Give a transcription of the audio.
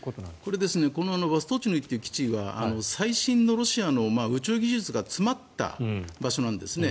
これボストーチヌイという宇宙基地は最新のロシアの宇宙技術が詰まった場所なんですね。